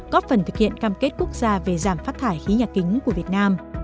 có phần thực hiện cam kết quốc gia về giảm phát thải khí nhà kính của việt nam